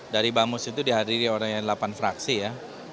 dari bamus itu dihadiri orang yang delapan fraksi ya